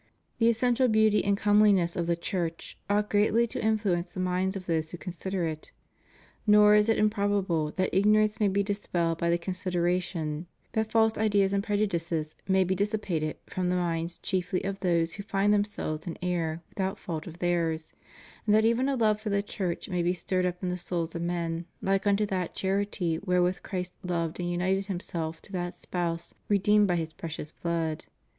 The essential beauty and come liness of the Church ought greatly to influence the minds of those who consider it. Nor is it improbable that ignorance may be dispelled by the consideration; that false ideas and prejudices may be dissipated from the minds chiefly of those who find themselves in error without fault of theirs; and that even a love for the Church may be stirred up in the souls of men, like unto that charity wherewith Christ loved and united Himself to that spouse redeemed by His precious blood.